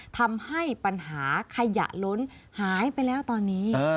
ทำให้ปัญหาขยะล้นหายไปแล้วตอนนี้